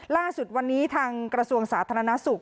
ล่าสุดวันนี้ทางกระทรวงสาธารณสุข